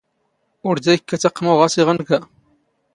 ⵓⵔ ⴷⴰ ⵉⴽⴽⴰⵜ ⴰⵇⵎⵓ ⵖⴰⵙ ⵉⵖⵏⴽⴰ